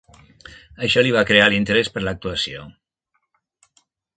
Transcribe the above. Això li va crear l'interès per l'actuació.